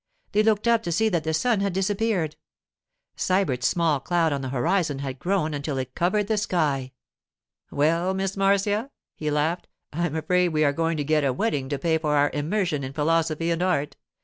They looked up to see that the sun had disappeared. Sybert's small cloud on the horizon had grown until it covered the sky. 'Well, Miss Marcia,' he laughed, 'I am afraid we are going to get a wetting to pay for our immersion in philosophy and art.